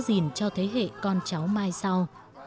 và giữ gìn cho thế hệ con cháu mai sau